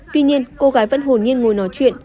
tuy nhiên cô gái vẫn hồn nhiên ngồi nói chuyện